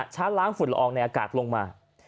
ชาร์จล้างฝุ่นรองในอากาศลงมา